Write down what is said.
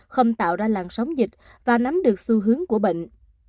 không tạo ra làn sóng dịch và nắm được xu hướng của bệnh